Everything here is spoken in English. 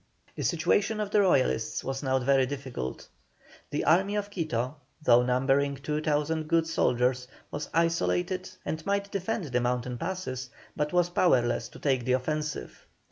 The situation of the Royalists was now very difficult. The Army of Quito, though numbering 2,000 good soldiers, was isolated, and might defend the mountain passes, but was powerless to take the offensive.